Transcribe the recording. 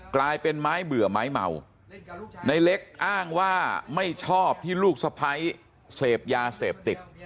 กลายเป็นไม้เบื่อไม้เมาในเล็กอ้างว่าไม่ชอบที่ลูกสะพ้ายเสพยาเสพติด